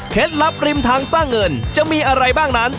ลับริมทางสร้างเงินจะมีอะไรบ้างนั้น